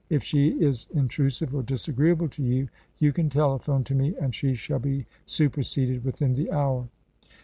If she is intrusive or disagreeable to you, you can telephone to me; and she shall be superseded within the hour."